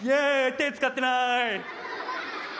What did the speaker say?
手使ってない！